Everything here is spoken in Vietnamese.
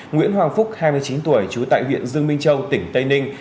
nguyễn hoàng phúc hai mươi chín tuổi trú tại huyện dương minh châu tỉnh tây ninh